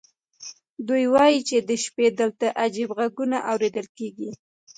دوی وایي چې د شپې دلته عجیب غږونه اورېدل کېږي.